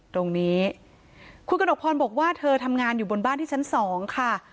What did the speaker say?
ตรงนี้คุณกระหนกพรบอกว่าเธอทำงานอยู่บนบ้านที่ชั้นสองค่ะ